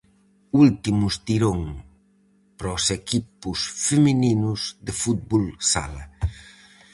Último estirón para os equipos femininos de fútbol sala.